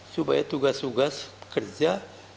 supaya tugas tugas kerja